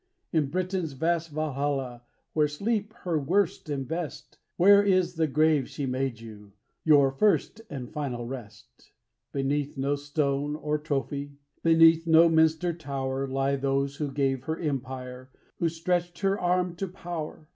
In Britain's vast Valhalla, where sleep her worst and best Where is the grave she made you your first and final rest Beneath no stone or trophy, beneath no minster tower, Lie those who gave her Empire, who stretched her arm to power.